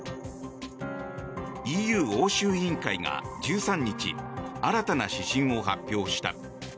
ＥＵ欧州委員会が１３日新たな指針を発表した。